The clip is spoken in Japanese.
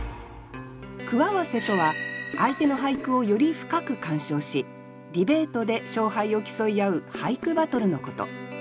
句合わせとは相手の俳句をより深く鑑賞しディベートで勝敗を競い合う俳句バトルのこと。